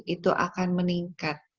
itu akan meningkat